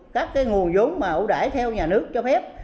các cái nguồn giống mà ủ đải theo nhà nước cho phép